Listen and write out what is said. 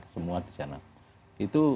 semua di sana itu